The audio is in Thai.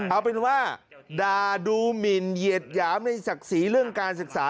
เอาเป็นว่าด่าดูหมินเหยียดหยามในศักดิ์ศรีเรื่องการศึกษา